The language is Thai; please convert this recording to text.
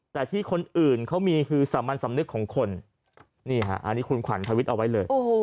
แต่ที่คนอื่นเขามีคือสามัญสำนึกของคนนี่ฮะอันนี้คุณขวัญทวิตเอาไว้เลย